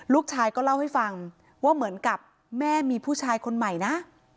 ลูกชายก็เล่าให้ฟังว่าเหมือนกับแม่มีผู้ชายคนใหม่นะ